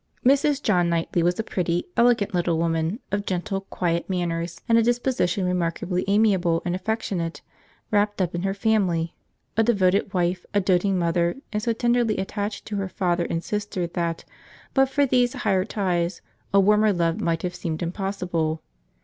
Mrs. John Knightley was a pretty, elegant little woman, of gentle, quiet manners, and a disposition remarkably amiable and affectionate; wrapt up in her family; a devoted wife, a doating mother, and so tenderly attached to her father and sister that, but for these higher ties, a warmer love might have seemed impossible.